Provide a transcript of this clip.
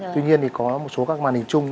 tuy nhiên thì có một số các màn hình chung